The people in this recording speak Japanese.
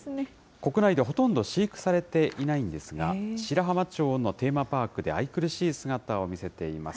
国内ではほとんど飼育されていないんですが、白浜町のテーマパークで愛くるしい姿を見せています。